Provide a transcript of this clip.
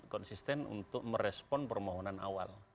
konsisten untuk merespon permohonan awal